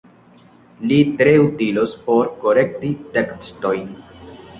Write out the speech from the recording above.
Li tre utilos por korekti tekstojn.